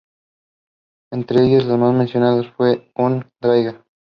Entre ellas, la más mencionada fue la de Um-Draiga.